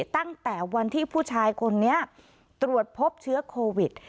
ตั้งแต่วันที่ผู้ชายคนนี้ตรวจพบเชื้อโควิด